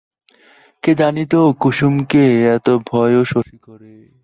কে জানিত কুসুমকে এত ভয়ও শশী করে?